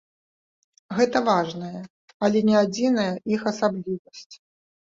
Гэта важная, але не адзіная іх асаблівасць.